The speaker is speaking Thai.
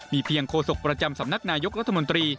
เพียงโฆษกประจำสำนักนายกรัฐมนตรี